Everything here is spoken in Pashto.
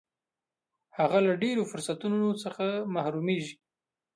هغه له ډېرو فرصتونو څخه محرومیږي.